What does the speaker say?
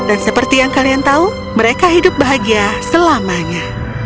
dan seperti yang kalian tahu mereka hidup bahagia selamanya